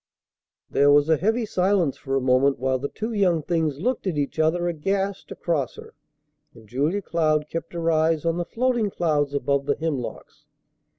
There was a heavy silence for a moment while the two young things looked at each other aghast across her, and Julia Cloud kept her eyes on the floating clouds above the hemlocks.